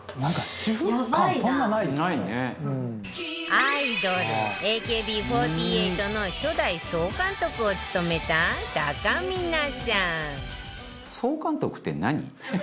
アイドル ＡＫＢ４８ の初代総監督を務めたたかみなさん